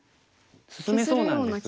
進めそうなんですが。